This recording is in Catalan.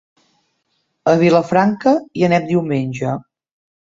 A Vilafranca hi anem diumenge.